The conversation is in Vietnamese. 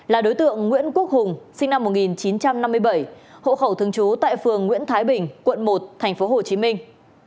là đối tượng nguyễn quốc hùng sinh năm một nghìn chín trăm năm mươi bảy hậu khẩu thương chú tại phường nguyễn thái bình quận một thành phố hồ chí minh